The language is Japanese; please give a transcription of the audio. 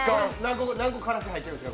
何個からし入ってるんですか？